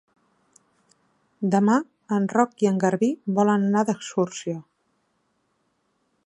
Demà en Roc i en Garbí volen anar d'excursió.